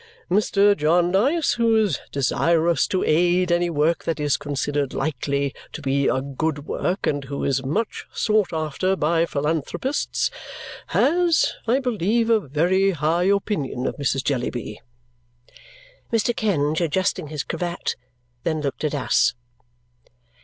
Mr. Jarndyce, who is desirous to aid any work that is considered likely to be a good work and who is much sought after by philanthropists, has, I believe, a very high opinion of Mrs. Jellyby." Mr. Kenge, adjusting his cravat, then looked at us.